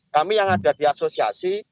kami yang ada di asosiasi